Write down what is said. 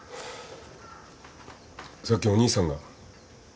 さっきお兄さんが。